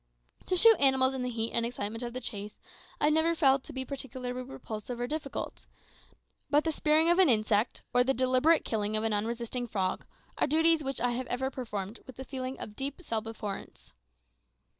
To shoot animals in the heat and excitement of the chase I have never felt to be particularly repulsive or difficult; but the spearing of an insect, or the deliberate killing of an unresisting frog, are duties which I have ever performed with a feeling of deep self abhorrence.